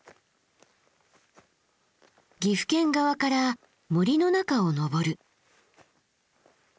岐阜県側から森の中を登る。